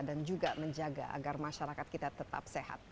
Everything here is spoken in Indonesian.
dan juga menjaga agar masyarakat kita tetap sehat